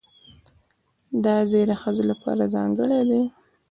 دا ځای د ښځو لپاره ځانګړی دی.